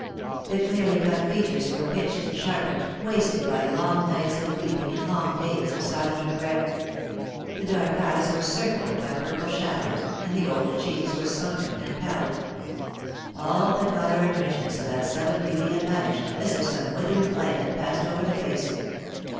The clearly cut features were pinched and sharpened, wasted by long nights of weeping and long days of silent regret. The dark eyes THE DAY WILL COME. 155 were circled by purple shadows, and the oval cheeks were sunken and pallid. All the colour and richness of that southern beauty had vanished, as if some withering blight had passed over the face.